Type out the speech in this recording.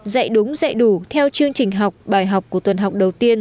dạy đúng dạy đủ theo chương trình học bài học của tuần học đầu tiên